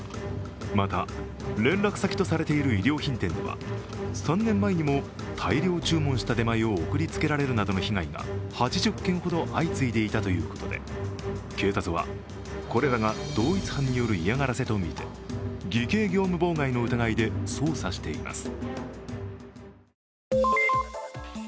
また連絡先とされている衣料品店では３年前にも大量注文した出前を送りつけられるなどの被害が８０件ほど相次いでいたということで警察は、これらが同一犯による嫌がらせとみて偽計業務妨害の疑いで捜査しています。